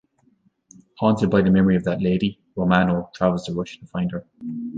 Haunted by the memory of that lady, Romano travels to Russia to find her.